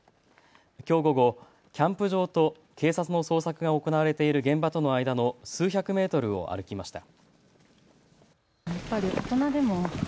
きょう午後、キャンプ場と警察の捜索が行われている現場との間の数百メートルを歩きました。